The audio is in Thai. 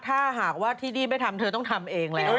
ถ้าหากว่าที่นี่ไม่ทำเธอต้องทำเองแล้ว